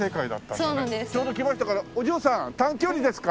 ちょうど来ましたからお嬢さん短距離ですか？